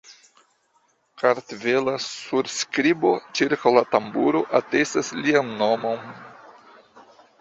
Kartvela surskribo ĉirkaŭ la tamburo atestas lian nomon.